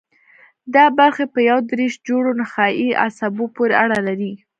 دا برخې په یو دېرش جوړو نخاعي عصبو پورې اړه لري.